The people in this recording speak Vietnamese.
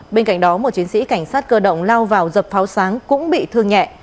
bên cạnh đó một chiến sĩ cảnh sát cơ động lao vào dập pháo sáng cũng bị thương nhẹ